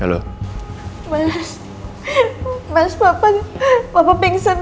maaf saya harus pergi ada urusan penting